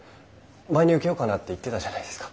前に受けようかなって言ってたじゃないですか。